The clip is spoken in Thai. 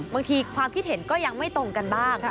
บางทีความคิดเห็นก็ยังไม่ตรงกันบ้าง